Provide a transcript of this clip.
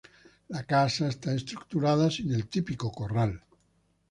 La casa está estructurada sin el típico corral.